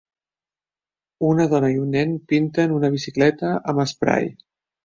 Una dona i un nen pinten una bicicleta amb esprai.